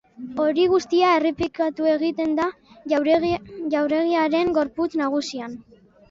Hori guztia errepikatu egiten da jauregiaren gorputz nagusian.